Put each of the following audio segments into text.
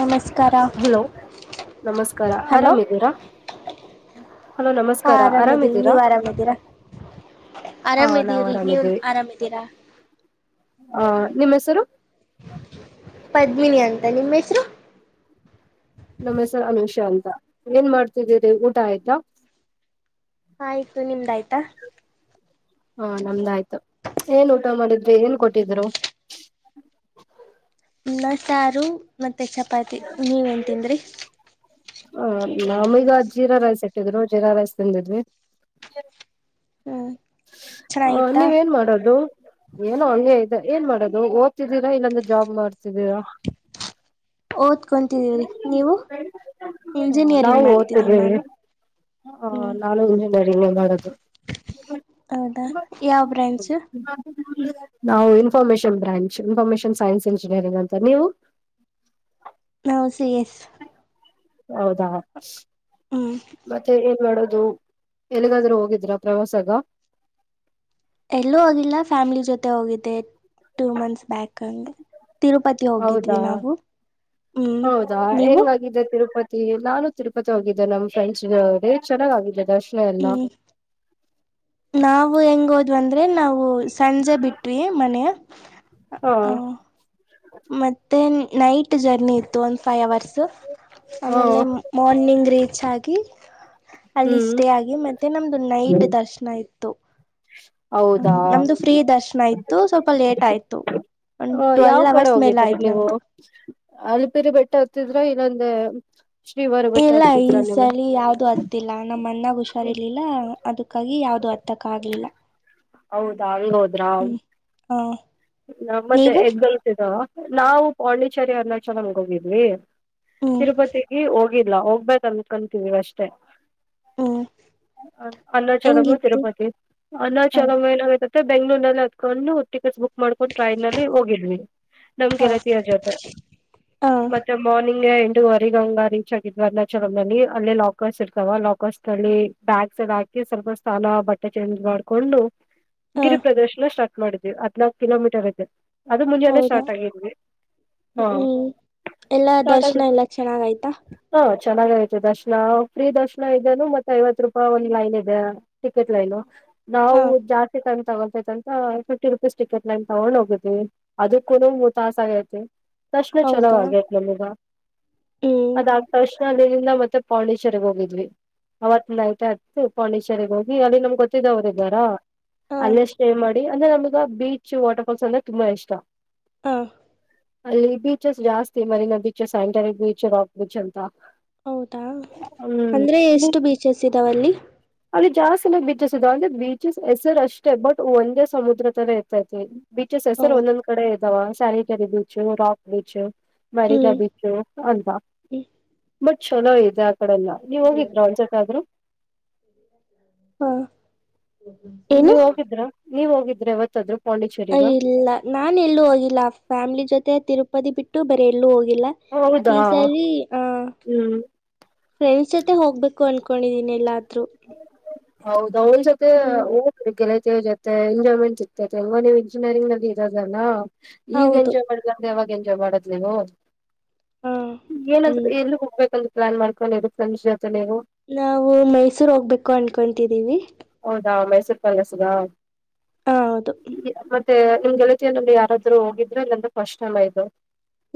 ನಮಸ್ಕಾರ ಹಲೋ ನಮಸ್ಕಾರ ಹಲೋ ಆರಾಮ ಇದೀರಾ. ಹಾ ಆರಾಮ ಇದೀವಿ ಆರಾಮಿದ್ದೀರಾ ನೀವ ಅರಾಮ್ ಇದೀರಾ. ಹ ನಾವ್ ಆರಾಮಿದೀವ್ರಿ ನೀವ ಆರಾಮಿದ್ದೀವಿ ಆರಾಮಿದೀರಾ. ಅ ನಿಮ್ಮ್ ಹೆಸರು. ಪದ್ಮಿನಿ ಅಂತ ನಿಮ್ಮ್ ಹೆಸರು. ನಮ್ಮ ಹೆಸರು ಅನುಷಾ ಅಂತ ಏನ್ ಮಾಡ್ತಿದ್ದೀರಿ ಊಟ ಆಯ್ತಾ. ಆಯ್ತು ನಿಮ್ದಾಯ್ತಾ. ಹಾ ನಮ್ದಾಯಯ್ತು ಏನ್ ಊಟ ಮಾಡಿದ್ರಿ ಏನ್ ಕೊಟ್ಟಿದ್ರು. ಅಣ್ಣಾ ಸಾರು ಮತ್ತೆ ಚಪಾತಿ ನೀವ ಎನ್ ತಿಂದ್ರಿ. ಹ ನಮೀಗ್ ಜೀರಾ ರೈಸ್ ಇಟ್ಟಿದ್ರು ಜೀರಾ ರೈಸ್ ತಿಂದಿದ್ವಿ. ಹ್ಮ್ ಹ ಚೆನ್ನಾಗಿತ್ತಾ ನೀವೇನ್ ಮಾಡೋದು. ಏನೋ ಹಂಗೆ ಇದೇ ಏನ್ ಮಾಡೋದು ಓದ್ತಿದ್ದೀರಾ ಇಲ್ಲಾಂದ್ರೆ ಜಾಬ್ ಮಾಡ್ತಿದ್ದೀರಾ. ಓದ್ಕೊಂತಿದ್ದೀರಿ ನೀವು ಇಂಜಿನಿಯರಿಂಗ್ ಮಾಡ್ತಿದ್ದೀನಿ ನಾನು. ಹ ಹ್ಮ್ ನಾನು ಇಂಜಿನೀಯರಿಂಗ್. ಹೌದಾ ಯಾವ ಬ್ರಾಂಚ್. ನಾವು information branch information science engineering ಅಂತ ನೀವು. ನಾವು ಸಿ ಎಸ್. ಹೌದಾ ಹ್ಮ್ ಮತ್ತೆ ಏನ್ ಮಾಡೋದು. ಎಲ್ಲಿಗಾದ್ರೂ ಹೋಗಿದ್ರಾ ಪ್ರವಾಸಗ. ಎಲ್ಲೂ ಹೋಗಿಲ್ಲ ಫ್ಯಾಮಿಲಿ ಜೊತೆ ಹೋಗಿದ್ದೆ ಟೂ ಮಂತ್ಸ್ ಬ್ಯಾಕ್ ಹಂಗೆ. ತಿರುಪತಿ ಹೌದಾ ಹೋಗಿದ್ವಿ ನಾವು ಹ್ಮ್ ಹೌದಾ ನೀವು. ಹೆಂಗಾಗಿದೆ ತಿರುಪತಿ. ನಾನು ತಿರುಪತಿ ಹೋಗಿದ್ದೆ ನಮ್ಮ್ ಫ್ರೆಂಡ್ಸ್ಡೆ ಜೋಡಿ ಚೆನ್ನಾಗ ಆಗಿದೇ ದರ್ಶನ ಎಲ್ಲ. ಹ್ಮ್ ನಾವು ಹೆಂಗ ಹೋದ್ವಿ ಅಂದ್ರೆ ನಾವು ಸಂಜೆ ಬಿಟ್ವಿ ಮನೆ. ಹಾ ಮತ್ತೆ ನೈಟ್ ಜರ್ನಿ ಇತ್ತು ಒಂದ ಫೈವ್ ಅವರ್ಸ್ ಹಾ ಆಮೇಲೆ. ಮಾರ್ನಿಂಗ್ ರೀಚ್ ಆಗಿ ಅಲ್ಲಿ ಹ್ಮ್ ಸ್ಟೇ ಆಗಿ ಮತ್ತೆ ನಮ್ದು ನೈಟ್ ದರ್ಶನ ಇತ್ತು. ಹ ಹೌದಾ ನಮ್ದು ಫ್ರೀ ದರ್ಶನ ಇತ್ತು ಸ್ವಲ್ಪ ಲೇಟ್ ಆಯ್ತು. ಒಂದ್ ಟ್ವೆಲ್ವ್ ಅವರ್ಸ್ ಮೇಲೆ ಆಯ್ತತ್ ನಮ್ದು. ಅಲಪಿರಿ ಬೆಟ್ಟ ಹತ್ತಿದ್ರ ಇಲ್ಲಾಂದ್ರೆ. ಇಲ್ಲ ಈ ಸಲಿ ಯಾವ್ದ ಅ. ಹತ್ತಿಲ್ಲ ನಮ್ಮ ಅನ್ನಾಗ ಹುಷಾರ್ರ್ಲಿಲ್ಲ ಅದಕ್ಕಾಗಿ ಯಾವ್ದು ಹತ್ತಾಕ್ ಆಗ್ಲಿಲ್ಲ. ಹೌದಾ ಹಂಗ ಹೋದ್ರಾ. ಹಾ. ನಮ್ಮತ್ತೆ ಎಗ್ಗಲ್ತಿದ ನಾವು ಪಾಂಡಿಚರಿ ಅರುಣಾಚಲಂಗ ಹೋಗಿದ್ವಿ. ಹ್ಮ್ ತಿರುಪತಿಗೆ ಹೋಗಿಲ್ಲ ಹೋಗ್ಬೇಕ ಅನ್ಕೊಂತೀವಿ ಅಷ್ಟೇ. ಹ್ಮ್ ಅ ಅನ್ನಚದಮ ಹೆಂಗಿತ್ತು ತಿರುಪತಿ. ಹ ಅರುಣಾಚಲಂ ಮ ಏನಾಗೈತತೆ ಬೆಂಗ್ಗಳೂರ್ ನಲ್ಲಿ ಅತ್ಕೊಂಡು ಟಿಕೆಟ್ಸ್ ಬುಕ್. ಮಾಡ್ಕೊಂಡ್ ಟ್ರೈನ್ ನಲ್ಲಿ ಹೋಗಿದ್ವಿ ನಮ್ ಹ ಗೆಳತಿರ ಜೊತೆ ಹ ಮತ್ತೆ. ಮಾರ್ನಿಂಗ್ ಎಂಟೂವರೆಗಂಗ ರೀಚ್ ಆಗಿದ ಅರುಣಾಚಲಂನಲ್ಲಿ ಅಲ್ಲೇ ಲಾಕರ್ಸ್ ಇರ್ತಾವ ಲಾಕರ್ಸ್ಲ್ಲಿ. ಬ್ಯಾಗ್ಸ್ ಎಲ್ಲಾ ಹಾಕಿ ಸ್ವಲ್ಪ ಸ್ನಾನ ಬಟ್ಟೆ ಚೇಂಜ್ ಮಾಡ್ಕೊಂಡು. ಹ ಗಿರಿ ಪ್ರದರ್ಶನ ಸ್ಟಾರ್ಟ್ ಮಾಡಿದ್ವಿ ಹದಿನಾಲ್ಕು ಕಿಲೋಮೀಟರ ಆಯ್ತೀ ಅದು ಮುಂಜಾನೆ ಸ್ಟಾರ್ಟ್ ಆಗಿದ್ವಿ. ಹ್ಮ ಹಾ ಹ್ಮ್ ಎಲ್ಲ ಸ್ಟಾರ್ಟ್ ಆಗಿ ದರ್ಶನ ಎಲ್ಲ ಚೆನ್ನಾಗ ಆಯ್ತಾ. ಹಾ ಚೆನ್ನಾಗ ಆಯ್ತು ದರ್ಶನ ಫ್ರೀ ದರ್ಶನ ಇದದೆೇನು ಮತ್ತತ್ ಐವತ್ ರೂಪಾಯಿ ಒಂದು ಲೈನ್ ಇದೆ. ಟಿಕೆಟ್ ಲೈನು ಹಾ ನಾವು ಜಾಸ್ತಿ ಟೈಮ್ ತಗೊಳ್ತೈ ಅಂತ ಫಿಫ್ಟಿ. ಟಿಕೆಟ್ ಲೈನ್ ತಗೊಂಡ್ ಹೋಗಿದ್ವಿ ಅದಕ್ಕೂ ತಾಸ ಆಗೈತಿ ತಕ್ಷಣ ಚಲೋ ಹೌದಾ ಆಗೆ. ಗ ಹ್ಮ್ ಅದ ಆ ತಕ್ಷಣ ಅಲ್ಲಿಂದ ಮತ್ತೆ ಪಾಂಡಿಚೆರಿಗೆ ಹೋಗಿದ್ವಿ. ಅವತ್ ಲೈಟ್ ಆಯತು ಪಾಂಡಿಚೆರಿ ಹೋಗಿ ಅಲ್ಲಿ ನಮ್ಗೆ ಗೊತ್ತ ಇದ್ದವರ ಅದರ. ಹಾ ಅಲ್ಲೇ ಸ್ಟೇ ಮಾಡಿ ಅಂದ್ರೆ ನಮ್ಗ ಬೀಚ್ ವಾಟರ್ಫಾಲ್ಸ್ ಅಂದ್ರೆ ತುಂಬಾ ಇಷ್ಟ. ಹಾಂ. ಅಲ್ಲಿ ಬೀಚಸ್ ಜಾಸ್ತಿ ಮರಿನ ಬೀಚಸ್ ಸ್ಯಾಂಟರಿಕ್ ಬೀಚ್ ರಾಕ್ ಬೀಚ್ ಅಂತ. ಹೌದಾ ಹ್ಮ್ ಅಂದ್ರೆ ನೀ ಎಷ್ಟು ಬೀಚಸ್ ಇದಾವಲ್ಲಿ. ಅಲ್ಲಿ ಜಾಸ್ತಿನ ಬೀಚಸ್ ಇದೆ ಅಂದ್ರೆ ಬೀಚಸ್ ಹೆಸರು ಅಷ್ಟೇ ಬಟ್ ಒಂದೇ ಸಮುದ್ರ ತರ ಇರ್ತೈತೆಲ್ಲಿ. ಬೀಚಸ್ ಹೆಸರ ಹ್ಮ್ ಒಂದೊಂದ್ ಕಡೆ ಇದಾವ ಸಾರಕರಿ ಬೀಚ ರಾಕ್ ಬೀಚ್. ಮರಿನಾ ಹ್ಮ್ ಬೀಚು ಅಲ್ವಾ ಬಟ್ ಚಲೋ ಇದೆ. ಡಲ್ಲ ನೀವ್ ಹೋಗಿದ್ರಾ ಒನ್ಸೆಸತಿ ಆದ್ರೂ. ಹಾ. ನೀವ್ ಹೋಗಿದ್ರ ನೀವ್ ಹೋಗಿದ್ರೆ ಯಾವತ್ತಾದ್ರೂ ಪಾಂಡಿಚೆರಿ ಗ. ಇಲ್ಲ ನಾನ್ ಎಲ್ಲೂ ಹೋಗಿಲ್ಲ ಫ್ಯಾಮಿಲಿ ಜೊತೆ ತಿರುಪತಿ ಬಿಟ್ಟು ಬೇರೆ ಎಲ್ಲೂ ಹೋಗಿಲ್ಲ. ಹೌದಾ ಈ ಸಲಿ ಆ. ಹ್ಮ್ ಫ್ರೆಂಡ್ಸ್ ಜೊತೆ ಹೋಗಬೇಕು ಅನ್ಕೊಂಡಿದೀನ ಎಲ್ಲಾದ್ರೂ. ಹೌದ ಅವ್ಳ ಜೊತೆ. ಹ್ಮ್ [unintelligible] ಮ ಎಂಜಾಯ್ಮೆಂಟ್ ಸಿಗ್ತೈತೆ ಇವಾಗ ನೀವು ಇಂಜಿನಿಯರಿಂಗ್ ನಲ್ಲಿ ಇರದಲ್ಲಾ ಈಗ ಹೌದು ಎಂಜಾಯ್ ಮಾಡ. ಲಿಲ್ಲ ಅಂದ್ರೆ ಯಾವಾಗ ಎಂಜಾಯ್ ಮಾಡದ್ ನೀವು ಹಾ ಏನಾದ್ರು ಹ್ಮ್ ಎಲ್ಲಿ ಹೋಗ್ಬೇಕಂದ. ಪ್ಲಾನ್ ಮಾಡಕೊಂಡಿ ಫ್ರೆಂಡ್ಸ್ ಜೊತೆ ನೀವು. ನಾವು ಮೈಸೂರ್ ಹೋಗ್ಬೇಕು ಅನ್ಕೊಂತಿದ್ದೀವಿ. ಹೌದಾ ಮೈಸೂರ್ ಪ್ಯಾಲೇಸ್ ಗಾ. ಹಾ ಹೌದು. ಮತ್ತೆ ನಿಮ ಗೆಳತಿಯಲ್ಲಿ ಯಾರಾದ್ರು ಹೋಗಿದ್ರೆ ಇಲ್ಲಂದ್ರೆ ಫಸ್ಟ್ ಟೈಮ ಇದು.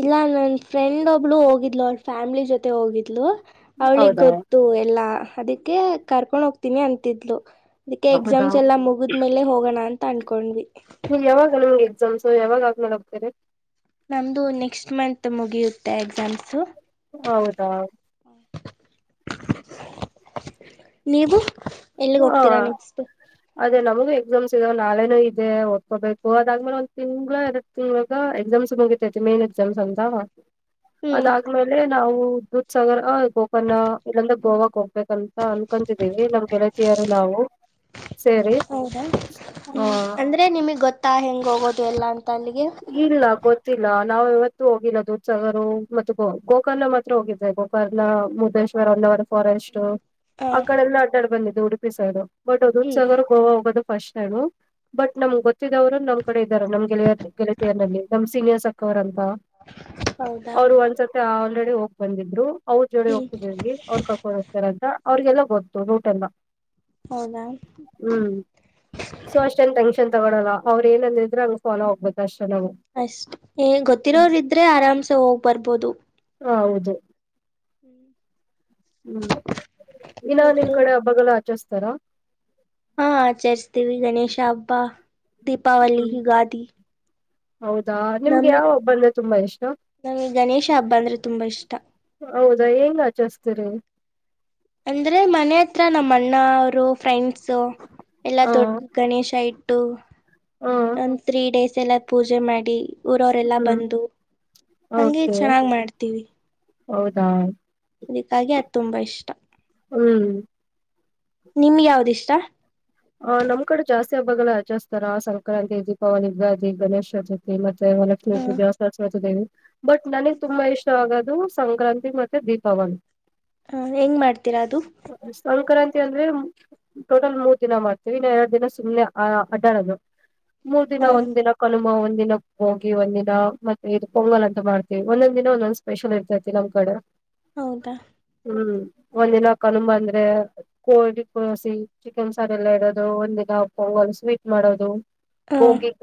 ಇಲ್ಲ ನನ್ ಫ್ರೆಂಡ ಒಬ್ಳು ಹೋಗಿದ್ಲು. ಅವ್ರ ಫ್ಯಾಮಿಲಿ ಜೊತೆ ಹೋಗಿದ್ಲು ಅವ್ಳಿಗೆ ಹೌದಾ ಗೊತ್ತ. ಗೊತ್ತು ಎಲ್ಲಾ ಅದಕ್ಕೆ ಕರ್ಕೊಂಡ ಹೋಗ್ತೀನಿ ಅಂತಿದ್ಲು ಅದಕ್ಕೆ ಹೌದಾ ಎಕ್ಸಾಮ್ಸ್ ಎಲ್ಲ ಮುಗ. ಮೇಲೆ ಹೋಗೋಣ ಅಂತ ಅಂದ್ಕೊಂಡ್ವಿ. ಯಾವಾಗ ನಮ್ಗೆ ಎಕ್ಸಾಮ್ಸ್ ಯಾವಾಗ ಆದ್ಮೇಲೆ ಹೋಗ್ತೀರಿ. ನಮ್ದು ನೆಕ್ಸ್ಟ್ ಮಂತ ಮುಗಿಯುತ್ತೆ ಎಕ್ಸಾಮ್. ಹೌದಾ. ನೀವು?. ಎಲ್ಲಿಗ್ ಹಾ. ಹೋಗ್ತೀರಾ ನೆಕ್ಸ್ಟ್ ಅದೇ ನಮಗೂ ಎಕ್ಸಾಮ್ಸ್ ಇದಾವ ನಾಳೆನು ಇದೆ ಓದ್ಕೋಬೇಕು ಅದಾದ್ಮೇಲೆ ಒಂದ ತಿಂಗಳ. ಇವಾಗ ಎಕ್ಸಾಮ್ಸ್ ಮುಗಿತೈತೆ ಮೇನ ಎಕ್ಸಾಮ್ಸ್ ಅಂತ.. ಹ್ಮ್ ಅದಾದ್ಮೇಲೆ ನಾವು ದೂದಸಾಗರ, ಗೋಕರ್ಣ ಇಲ್ಲಾ ಅಂದ್ರೆ ಗೋವಾ ಕ ಹೋಗೋಣ. ಅಂತಾ ಅನ್ಕೊಂತಿದೀವಿ ನಮ ಗೆಳತಿಯರು ನಾವು. ಸೇರಿ ಹೌದಾ ಹ್ಮ್ ಹ ಅಂದ್ರೆ ನಿಮಗ ಗೊತ್ತಾ ಹೆಂಗ ಹೋಗೋದು ಎಲ್ಲಾ ಅಂತ ಅಲ್ಲಿಗೆ?. ಇಲ್ಲ ಗೊತ್ತಿಲ್ಲ ನಾವು ಇವತ್ತು ಹೋಗಿಲ್ಲ ದೂದಸಾಗರ ಮತ್ತು ಗೋ ಗೋಕರ್ಣ ಮಾತ್ರ ಹೋಗಿದ್ದೇವೆಗೋ. ಬರ್ಲ ಮುರಾಡೇಶ್ವರ ನಾಡ್ ಫಾರೆಸ್ಟ್. ಹಾ ಆ ಕಡೆ ಎಲ್ಲ ಅಡ್ಡಾಡ ಬಂದಿದ್ದಿದೆ. ಉಡುಪಿ ಸೈಡು ಬಟ್ ಅದ ದೂದ ಹ್ಮ್ ಸಾಗರ್ ಗೋವಾ ಹೋಗೋದು ಫಸ್ಟ್ ಟೈಮ. ಬಟ್ ನಮ್ಗ ಗೊತ್ತಿದ್ದೋರು ನಮ ಕಡೆ ಇದ್ದಾರೆ ನಮ್ಮ್ ಗೆಳೆಯರ ಗೆಳೆಯತಿಯರ್ನಲ್ಲಿ ನಮ ಸೀನಿಯರ್ಸ್ ಅಕ್ಕಾ ಅವ್ರ ಅಂತಾ ಹೌದಾ ಅವ್ರು ಒಂದ್ಸತಿ ಆಲ್ರೆಡಿ ಹೋಗಿ ಬಂದಿದ್ರು ಅವ್ರ ಜೋಡಿ ಹ್ಮ್ ಹೋಗ್ತಿದಿವಿ ಅವ್ರ ಕರ್ಕೊಂಡ ಹೋಗ್ತಾರಂತ ಅವ್ರಿಗೆಲ್ಲ ಗೊತ್ತು ರೂಟ್ ಎಲ್ಲ. ಹೌದಾ. ಹ್ಮ್ ಸೊ ಅಷ್ಟೇನ ಟೆನ್ಕ್ಷನ್ ತಗೊಳಲ್ಲ ಅವರ ಏನಂದಿದ್ರೆ ಹಂಗ ಫಾಲೋ ಹೋಗ್ಬೇಕ ಅಷ್ಟೇ ನಾವು. ಅಷ್ಟೇ ಏ ಗೊತ್ತಿರೋರ ಇದ್ರೆ ಆರಾಮ್ಸೆ ಹೋಗ್ ಬರ್ಬೋದು. ಹಾ ಹೌದು. ಹ್ಮ್ ಹ್ಮ್ ಇನ್ನ ನಿಮ್ ಮತ್ತೆ ಕಡೆ ಹಬ್ಬಗಲ್ ಆಚರಸ್ತಾರ್? ಹಾ ಆಚರಿಸ್ತೀವಿ ಗಣೇಶ ಹಬ್ಬ ದೀಪಾವಳಿ ಯುಗಾದಿ. ಹೌದಾ ನಿಮ್ಗೆ ಯಾವ ಹಬ್ಬ ಅಂದ್ರೆ ತುಂಬಾ ಇಷ್ಟಾ? ನನಿಗ್ ಗಣೇಶ ಹಬ್ಬ ಅಂದ್ರೆ ತುಂಬಾ ಇಷ್ಟ. ಹೌದಾ ಹೆಂಗ ಆಚಾರ್ಸ್ತಿರಿ? ಅಂದ್ರೆ ಮನೆ ಹತ್ರ ನಮ್ಮ ಅಣ್ಣ ಅವರು ಫ್ರೆಂಡ್ಸು ಎಲ್ಲಾ ಹ ದೊಡ್ಡ ಗಣೇಶ ಇಟ್ಟು ಹ ಒಂದ್ ತ್ರೀ ಡೇಸ್ ಎಲ್ಲ ಪೂಜೆ ಮಾಡಿ ಊರವರೆಲ್ಲ ಹ್ಮ್ ಬಂದು ಹಂಗೆ ಓಕೆ ಚೆನ್ನಾಗ ಮಾಡ್ತೀವಿ. ಹೌದಾ. ಅದಕ್ಕಾಗಿ ಅದು ತುಂಬಾ ಇಷ್ಟಾ. ಹ್ಮ್ ನಿಮಿಗ್ ಯಾವ್ದಿಷ್ಟಾ? ಹ ನಮ್ ಕಡೆ ಜಾಸ್ತಿ ಹಬ್ಬಗಳ ಆಚರಸ್ತಾರ ಸಂಕ್ರಾಂತಿ ದೀಪಾವಳಿ ಯುಗಾದಿ ಗಣೇಶ ಚತುಥಿ ಥಿ ಮತ್ತೆ ವರಲಕ್ಷ್ಮೀ ಹ ಪೂಜೆ ಸರಸ್ವತಿ ದೇವಿ ಬಟ್ ನನಗ್ ತುಂಬಾ ಇಷ್ಟ ಆಗೋದು ಸಂಕ್ರಾಂತಿ ಮತ್ತೆ ದೀಪಾವಳಿ. ಹಾ ಹೆಂಗ್ ಮಾಡ್ತೀರಾ ಅದು? ಸಂಕ್ರಾಂತಿ ಅಂದ್ರೆ ಟೋಟಲ್ ಮೂರ್ ದಿನ ಮಾಡ್ತೀವಿ ಇನ್ನ ಎರಡ ದಿನ ಸುಮ್ನೆ ಅ ಅಡ್ಡಾಡೋದು ಮೂರ್ ದಿನ ಹ ಒಂದ ದಿನ ಕನುಮಾ ಒಂದ ದಿನ ಹೋಗಿ ಒಂದಿನ ಮತ್ತೆ ಇದು ಪೊಂಗಲ್ ಅಂತ ಮಾಡ್ತೀವಿ ಒಂದೊಂದ ದಿನ ಒಂದೊಂದ್ ಸ್ಪೆಷಲ್ ಇರ್ತೈತಿ ನಮ್ಮ ಕಡೆ. ಹೌದಾ. ಹ್ಮ್ ಒಂದಿನ ಕನಂಬ ಅಂದ್ರೆ ಕೋಳಿ ಕಳಸಿ ಚಿ ಚಿಕನ್ ಸಾರ್ ಎಲ್ಲ ಇಡೋದು ಒಂದಿನಾ ಪೊಂಗಲ್ ಸ್ವೀಟ್ ಮಾಡೋದು ಹ ಬೋಗಿಗ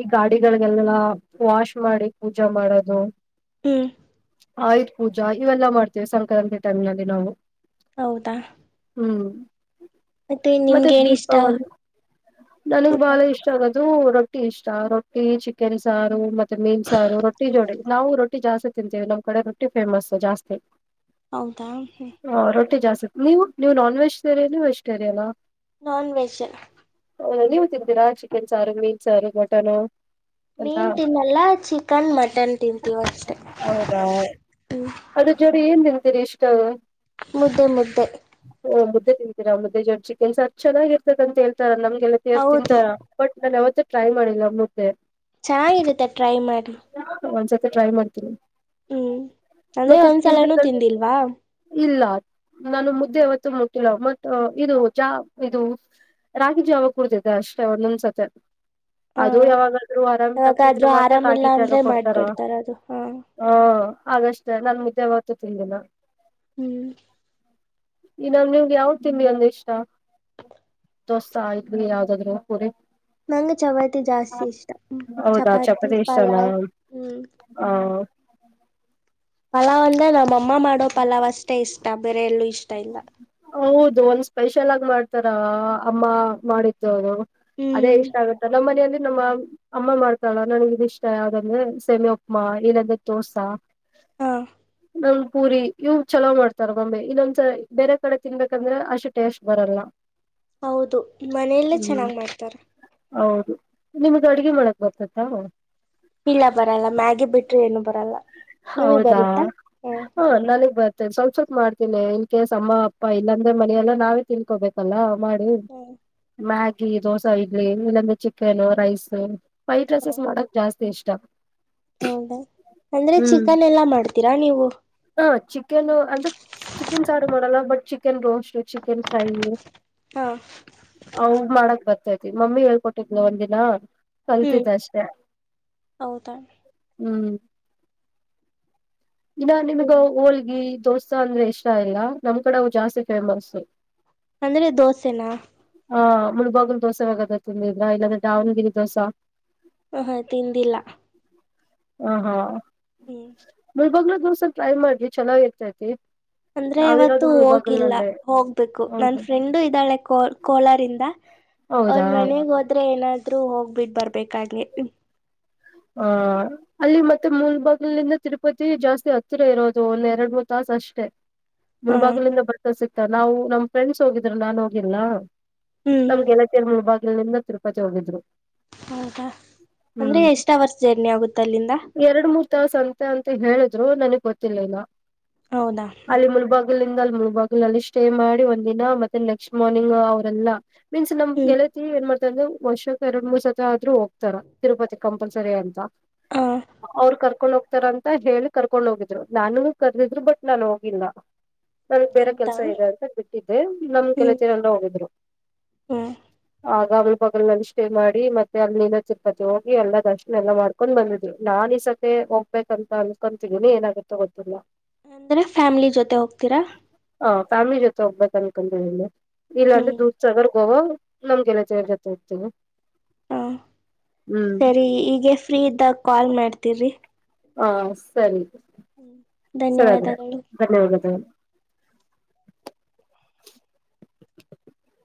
ಈ ಗಾಡಿಗಳಿಗೆಲ್ಲ ವಾಶ್ ಮಾಡಿ ಪೂಜಾ ಮಾಡದು. ಹ್ಮ್ ಆಯಧ್ ಪೂಜಾ ಇವೆಲ್ಲ ಮಾಡ್ತಿವಿ ಸಂಕ್ರಾಂತಿ ಟೈಮ್ ನಲ್ಲಿ ನಾವು. ಹೌದಾ. ಹ್ಮ್ ಮತ್ತೆ ನಿಮ್ಗೇನ್ ಇಷ್ಟ ದೀಪಾವಳಿ ನನಗ್ ಊಟ ಬಾಳ ಇಷ್ಟ ಇಷ್ಟ ಆಗೋದು ರೊಟ್ಟಿ ಇಷ್ಟ ರೊಟ್ಟಿ ಚಿಕನ್ ಸಾರು ಮತ್ತೆ ಮೀನ್ ಸಾರು ರೊಟ್ಟಿ ಜೋಡಿ ನಾವು ರೊಟ್ಟಿ ಜಾಸ್ತಿ ತಿಂತೀವಿ ನಮ್ಮ್ ಕಡೆ ರೊಟ್ಟಿ ಫೇಮಸ್ ಜಾಸ್ತಿ. ಹೌದಾ ಹೂ. ಹಾ ರೊಟ್ಟಿ ಜಾಸ್ತಿ ನೀವು ನೀವು ನಾನ್ ವೆಜಿಟೇರಿಯನಾ ವೆಜಿಟೇರಿಯನಾ? ನಾನ್ ವೆಜ್. ನೀವು ತಿಂತೀರಾ ಚಿಕನ್ ಸಾರು ಮೀನ್ ಸಾರು ಮಟನು? ಅಂತ ಮೀನ್ ತಿನ್ನಲ್ಲ ಚಿಕನ್ ಮಟನ್ ತಿಂತೀವಿ ಅಷ್ಟೇ. ಹಾ ಅದರ್ ಜೋಡಿ ಏನ್ ತಿನ್ತೀರಿ ಇಷ್ಟ ಮುದ್ದೆ ಮುದ್ದೆ ಓ ಮುದ್ದೆ ತಿಂತೀರಾ ಮುದ್ದೆ ಜೋತೆ ಚಿಕ್ಕನ್ ಸಾರ್ ಚೆನ್ನಾಗಿರ್ತದಂತ ಹೇಳ್ತಾರೆ ನಮ್ಗೆಲ್ಲ ತೇವ ಹೌದು ತಿಂತಾರ ಬಟ್ ನಾನ್ ಯಾವತ್ತ ಟ್ರೈ ಮಾಡಿಲ್ಲ ಮುದ್ದೆ ಚೆನ್ನಾಗಿರುತ್ತೆ ಟ್ರೈ ಮಾಡಿ ಒಂದ್ ಸತ ಟ್ರೈ ಮಾಡ್ತೀರಾ ಹ್ಮ್ ಅಂದ್ರೆ ಒಂದ್ಸಲನೂ ತಿಂದಿಲ್ವಾ ಇಲ್ಲ ನಾನು ಮುದ್ದೆ ಯಾವತ್ತು ಮುಟ್ಟಿಲ್ಲ ಮಟ್ ಇದು ಜಾ ಇದು ರಾಗಿ ಜಾವ ಕುೂಡಿದಿದೆ ಅಷ್ಟೇ ಒಂದೊಂದ್ಸತಿ ಹ ಅದು ಯಾವಾಗಾದ್ರೂ ಆರಾಮ್ ತಪ್ಪಿದ್ರೆ ಯಾವಾಗಾದ್ರೂ ಮಾತ್ರ ಆರಾಮಿಲ್ಲ ರಾಗಿ ಅಂದ್ರೆ ಜಾಗ ಕೊಡ್ತಾರ ಮಾಡ್ಕೊಡ್ತಾರ ಅದು ಹಾ ಹಾ ಹಾಗಷ್ಟೇ ನಾನ ಮುದ್ದೆ ಯಾವತ್ತೂ ತಿಂದಿಲ್ಲ ಹ್ಮ್ ಇ ನ್ ನಿಮ್ಗೆ ಯಾವ್ದ ತಿನ್ನಿ ಅಂದೆ ಇಷ್ಟ ದೋಸಾ ಆಯ್ವಿ ಯಾವ್ದಾದ್ರು ಪೂರಿ ನಂಗೆ ಚಪಾತಿ ಜಾಸ್ತಿ ಇಷ್ಟಾ ಹೌದಾ ಚಪಾತಿ ಪಲಾವ್ ಹ್ಮ್ ಹಾ ಪಲಾವ್ ಅಂದ್ರೆ ನಮ್ಮ ಅಮ್ಮ ಮಾಡೋ ಪಲಾವ್ ಅಷ್ಟೇ ಇಷ್ಟ ಬೇರೆ ಎಲ್ಲೂ ಇಷ್ಟ ಇಲ್ಲಾ ಹೌದು ಒಂದ್ ಸ್ಪೆಷಲ್ ಆಗಿ ಮಾಡ್ತಾರ ಅಮ್ಮ ಮಾಡಿದ್ದುದುರು ಅದೇ ಹ್ಮ್ ಇಷ್ಟ ಆಗುತ್ತ ನಮ್ಮ್ ಮನೆಯಲ್ಲಿ ನಮ್ಮ ಅಮ್ಮ ಮಾಡ್ತಳ ನನಗೆ ಇದಿಷ್ಟ ಯಾಾವ್ದಂದ್ರೆ ಸೆಮಿ ಉಪ್ಪಮಾ ಇಲ್ಲಾಂದ್ರೆ ದೋಸಾ ಹಾ ನಂಗ್ ಪೂರಿ ಇವ್ ಚಲೋ ಮಾಡ್ತಾರ ಮಮ್ಮಿ ಇನ್ನೊಂದ್ಸ ಬೇರೆ ಕಡೆ ತಿನ್ಬೇಕಂದ್ರೆ ಅಷ್ಟು ಟೇಸ್ಟ್ ಬರಲ್ಲ ಹೌದು ಮನೆಯಲ್ಲೇ ಹ್ಮ್ ಚೆನ್ನಾಗ್ ಮಾಡ್ತಾರೆ ಹೌದು ನಿಮ್ದ ಅಡ್ಗೆ ಮಾಡಕ್ ಬರ್ತತ್ತ ಇಲ್ಲ ಬರಲ್ಲ ಮ್ಯಾಗಿ ಬಿಟ್ರ ಏನು ಬರಲ್ಲ ನೀಮಗ ಬರುತ್ತಾ ಹೂ ಹಾ ನನಗ್ ಬರ್ತೆೇನೆ ಸ್ವಲ್ಪ ಸ್ವಲ್ಪ ಮಾಡ್ತೇನೆ ಇನ್ ಕೇಸ್ ಅಮ್ಮ ಅಪ್ಪ ಇಲ್ಲಾಂದ್ರೆ ಮನಿಯಲ್ಲ ನಾವೇ ತಿನ್ಕೋಬೇಕಲ್ಲ ಹ್ಮ್ ಮ್ಯಾಗಿ ದೋಸೆ ಇಡ್ಲಿ ಇಲ್ಲಂದ ಚಿಕನ್ ರೈಸು ವೈಟ್ ಹ್ಮ್ ರೈಸಸ್ ಮಾಡಕ್ ಜಾಸ್ತಿ ಇಷ್ಟ ಹೌದಾ ಅಂದ್ರೆ ಚಿಕನ್ ಎಲ್ಲಾ ಮಾಡ್ತೀರಾ ನೀವು ಹಾ ಚಿಕನ್ ಅಂದ್ರ ಚಿಕನ್ ಸಾರು ಮಾಡಲ್ಲ but chicken roast chicken fry ಹಾ ಅವ ಮಾಡಕ್ ಬರ್ತೈತಿ ಮಮ್ಮಿ ಹೇಳ್ಕೊಟ್ಟಿದ್ನ ಒಂದ ದಿನ ಹ್ಮ್ ಕಲ್ತಿದ್ದ ಅಷ್ಟೆ ಹೌದಾ ಹ್ಮ್ ಇನ್ನ ನಿಮ್ಗ ಹೋಳಗಿ ದೋಸಾ ಅಂದ್ರೆ ಇಷ್ಟ ಇಲ್ಲ ನಮ್ ಕಡೆವು ಜಾಸ್ತಿ ಫೇಮಸ್ ಅಂದ್ರೆ ದೋಸೆನಾ ಹಾ ಮುಳಬಾಗಲು ದೋಸೆ ಆಗದ ತಿಂದ್ದಿದ್ರಾ ಇಲ್ಲಾಂದ್ರೆ ದಾವಣಗೆರೆ ದೋಸಾ ಹ ಹಾ ತಿಂದಿಲ್ಲ ಹ ಹಾ ಹ್ಮ್ ಮುಳ್ ಬಾಗಿಲ್ ದೊಸಾ ಟ್ರೈಮಾಡ್ರಿ ಚೆನ್ನಾಗಿ ಇರ್ತೈತಿ ಅಂದ್ರೆ ಯಾವತ್ತು ನಾವಿರೋದು ಹೋಗಿಲ್ಲ ಮುಳಬಾಗಲ್ನಲ್ಲೇ ಹೋಗ್ಬೇಕು ನನ್ ಹೌದು ಫ್ರೆಂಡು ಇದ್ದಾಳೆ ಕ ಕೋಲಾರದ ಅವ್ರ ಹೌದಾ ಮನೆಗ್ ಹೋದ್ರೆ ಏನಾದ್ರು ಹೋಗ್ಬಿಟ್ಟ ಬರ್ಬೇಕಾಗ್ಲಿ ಹಾ ಅಲ್ಲಿ ಮತ್ತೆ ಮೂಲಬಾಗಲಿಂದ ತಿರುಪತಿ ಜಾಸ್ತಿ ಹತ್ತಿರ ಇರೋದು ಒಂದ್ ಎರಡ್ ಮೂರ್ ತಾಸ ಅಷ್ಟೇ ಹ ಮುಲಬಾಗಲಿಂದ ಬರ್ತಾ ಸಿಗ್ತ ನಾವು ನಮ್ ಫ್ರೆಂಡ್ಸ್ ಹೋಗಿದ್ರ ನಾನ್ ಹೋಗಿಲ್ಲ ಹ್ಮ್ ನಮ್ಗೆಲ ಮುಳಭಾಗಿಂದ ತಿರುಪತಿ ಹೋಗಿದ್ರು ಹೌದಾ ಅಂದ್ರೆ ಎಷ್ಟ್ ಅವರ್ಸ್ ಜರ್ನಿ ಆಗುತ್ ಅಲ್ಲಿಂದ. ಎರಡು ಮೂರ್ ತಾವಸಂತೆ ಅಂತ ಹೇಳಿದ್ರು ನನಗ್ ಗೊತ್ತಿಲ್ಲ ಇನ್ನ ಹೌದಾ ಅಲ್ಲಿ ಮುಲ್ಬಾಗ. ಇಲ್ಲಿಂದ ಅಲ್ ಮೂಲ್ಬಾಗಲಲ್ಲಿ ಸ್ಟೇ ಮಾಡಿ ಒಂದಿನ ಮತ್ತೆ ನೆಕ್ಸ್ಟ್ ಮಾರ್ನಿಂಗು ಅವ್ರೆಲ್ಲಾ. ಮೀನ್ಸ್ ನಮ್ ಹ್ಮ್ ಗೆಳತಿ ಏನ್ ಮಾಡ್ತಾರೆ ಅಂದ್ರೆ ವರ್ಷಕ್ ಎರಡ್ ಮೂರ್ ಸತಿ ಆದ್ರು ಹೋಗ್ತಾರ ತಿರುಪತಿ. ಕಂಪಲ್ಸರಿ ಅಂತ ಹ ಅವರ್ ಕರ್ಕೊಂಡ್ ಹೋಗ್ತಾರ್ ಅಂತ ಹೇಳಿ. ಕರ್ಕೊಂಡ್ ಹೋಗಿದ್ರು ನಾನುನು ಕರ್ದಿದ್ರು ಬಟ್ ನಾನ್ ಹೋಗಿಲ್ಲ. ನಮಗ್ ಬೇರೆ ಹೌದಾ ಕೆಲ್ಸ ಇದೆ ಅಂತ ಬಿಟ್ಟಿದ್ದೆ ನಮ್ ಹ್ಮ್ ಗೆಳತಿಯರೆಲ್ಲ ಹೋಗಿದ್ರು. ಹ್ಮ್ ಆಗ ಮುಲ್ಬಾಗೂಲ್ ನಲ್ಲಿ ಸ್ಟೇ ಮಾಡಿ ಮತ್ತೆ ಅಲ್ಲಿಂದ ತಿರುಪತ್ತಿಗ್ ಹೋಗ್. ಹೋಗಿ ಎಲ್ಲ ದರ್ಶನ ಎಲ್ಲಾ ಮಾಡ್ಕೊಂಡ್ ಬಂದಿದ್ರು ನಾನ್ ಇಸತಿ ಹೋಗ್ಬೇಕಂತ ಅನ್ಕೊಂತಿದೀನಿ ಏನಾಗತ್ತೋ ಗೊತ್ತಿಲ್ಲ. ಅಂದ್ರೆ ಫ್ಯಾಮಿಲಿ ಜೊತೆ ಹೋಗ್ತೀರಾ. ಹ ಫ್ಯಾಮಿಲಿ ಜೊತೆ ಹೋಗ್ಬೇಕ್ ಅನ್ಕೊಂತಿದೀನಿ ಇಲ್ಲ ಅಂದ್ರೆ ಹ್ಮ್ ದುದ್ಸಗಾರ್. ಗೋವಾ ನಮ್ ಗೆಳತಿಯರ್ ಜೊತೆ ಇರ್ತೀನಿ. ಹಾ ಸರಿ ಈಗೆ ಫ್ರೀ ಇದ್ದಾಗ್ ಕಾಲ್ ಮಾಡ್ತೀರಿ. ಹಾ ಸರಿ. ಹ್ಮ್. ಸರಿ ಆಯ್ತು ಧನ್ಯವಾದಗಳು. [inaudible]